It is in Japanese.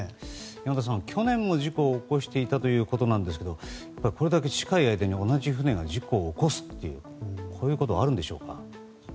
山田さん、去年も事故を起こしていたということですがこれだけ近い間に同じ船が事故を起こすというこういうことはあるんでしょうか？